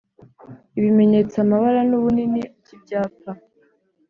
Ibimenyetso, amabara n’ubunini by’ibyapa